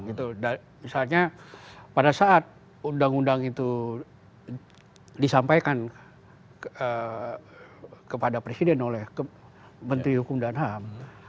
misalnya pada saat undang undang itu disampaikan kepada presiden oleh menteri hukum dan ham